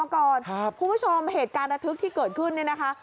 คุณผู้ชมเหตุการณ์ระทึกที่เกิดขึ้นเนี่ยนะคะ